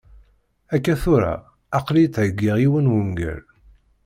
Akka tura, aql-iyi ttheggiɣ yiwen n wungal.